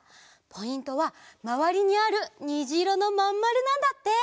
ポイントはまわりにあるにじいろのまんまるなんだって！